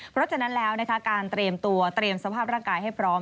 เพราะฉะนั้นแล้วการเตรียมตัวเตรียมสภาพร่างกายให้พร้อม